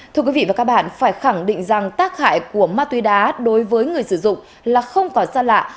thưa quý vị và các bạn phải khẳng định rằng tác hại của ma túy đá đối với người sử dụng là không còn xa lạ